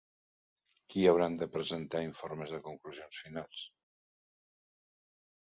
Qui hauran de presentar informes de conclusions finals?